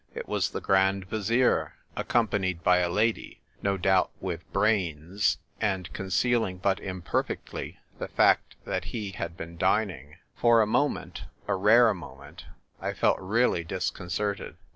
It was the Grand Vizier, accom panied by a lady (no doubt "with brains") and concealing but imperfectly the fact that he had been dining. For a moment — a rare moment — I felt really disconcerted.